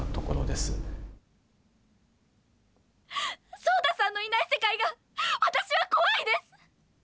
そうたさんのいない世界があたしは怖いです。